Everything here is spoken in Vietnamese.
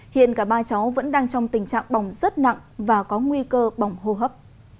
hiện cả ba cháu vẫn đang trong tình trạng bỏng rất nặng và có nguy cơ bỏng hô hấp